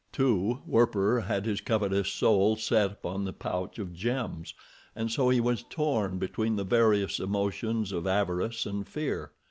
Too, Werper had his covetous soul set upon the pouch of gems, and so he was torn between the various emotions of avarice and fear.